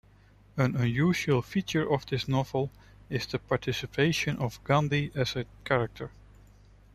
An unusual feature of this novel is the participation of Gandhi as a character.